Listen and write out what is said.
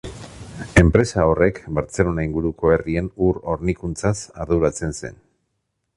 Enpresa horrek, Bartzelona inguruko herrien ur-hornikuntzaz arduratzen zen.